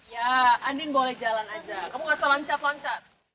ya andin boleh jalan aja kamu gak usah loncat loncat